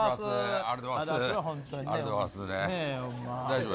ありがとうございますほんまに。